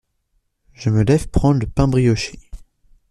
Je me lève prendre le pain brioché.